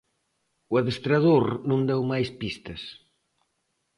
O adestrador non deu máis pistas.